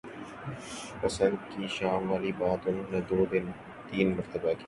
پسند کی شام والی بات انہوں نے دو تین مرتبہ کہی۔